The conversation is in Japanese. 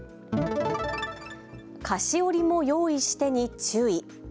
菓子折も用意してに注意。